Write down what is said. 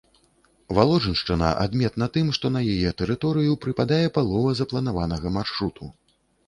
Валожыншчына адметна тым, што на яе тэрыторыю прыпадае палова запланаванага маршруту.